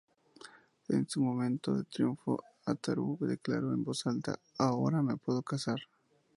En su momento de triunfo, Ataru declaró en voz alta: "¡Ahora me puedo casar!